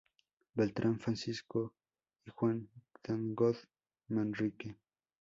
Beltrán Francisco y Juan Dangond Manrique.